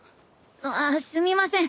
あすみません。